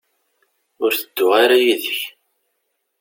Ur tedduɣ ara yid-k.